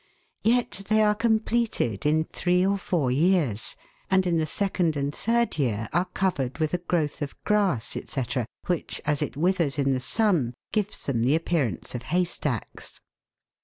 Yet they are completed in three or four years, and in the second and third year are covered with a growth of grass, &c., which, as it withers in the sun, gives them the appearance of haystacks.